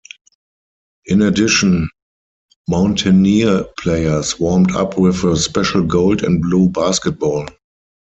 In addition, Mountaineer players warmed up with a special gold and blue basketball.